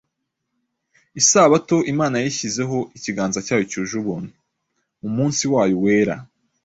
Isabato Imana yayishyizeho ikiganza cyayo cyuje ubuntu. Mu munsi wayo wera,